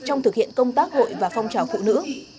trong thực hiện công tác hội và phong trào phụ nữ